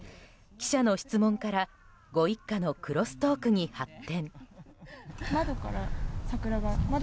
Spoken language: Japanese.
記者の質問からご一家のクロストークに発展。